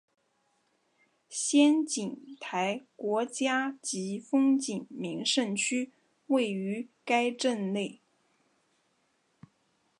仙景台国家级风景名胜区位于该镇内。